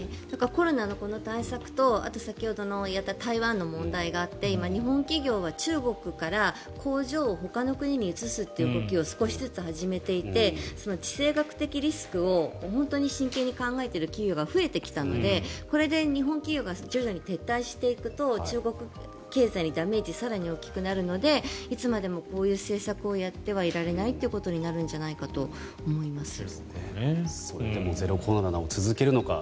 コロナの対策とあと先ほどの台湾の問題があって今、日本企業は中国から工場をほかの国に移すという動きを少しずつ始めていて地政学的リスクを本当に真剣に考えている企業が増えてきたので、これで日本企業が徐々に撤退していくと中国経済にダメージが更に大きくなるのでいつまでもこういう政策をやってはいられないということになるのではと思います。